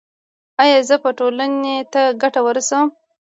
ایا زه به ټولنې ته ګټه ورسوم؟